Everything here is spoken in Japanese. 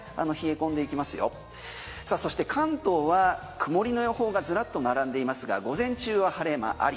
そして関東は曇りの予報がずらり関東は曇りの予報がずらっと並んでいますが午前中は晴れ間あり。